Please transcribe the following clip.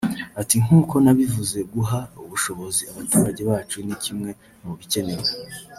Ati “Nk’uko nabivuze guha ubushobozi abaturage bacu ni kimwe mu bikenewe